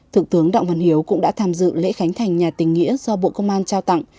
thượng tướng đặng văn hiếu cũng đã tham dự lễ khánh thành nhà tình nghĩa do bộ công an trao tặng